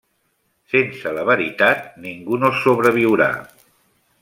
Sense la veritat, ningú no sobreviurà.